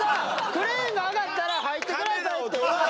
クレーンが上がったら入ってくださいって言われ。